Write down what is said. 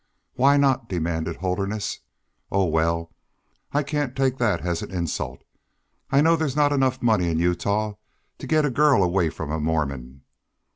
"Why not?" demanded Holderness. "Oh, well, I can't take that as an insult. I know there's not enough money in Utah to get a girl away from a Mormon....